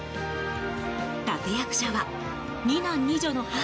立役者は、２男２女の母。